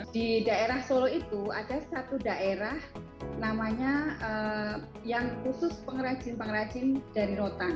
di daerah solo itu ada satu daerah namanya yang khusus pengrajin pengrajin dari rotan